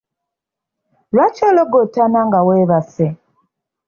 Lwaki ologootana nga weebase?